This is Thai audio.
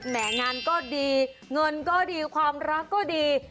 งานก็ดีเงินก็ดีความรักก็ดี